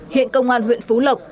hiện công an huyện phú lợi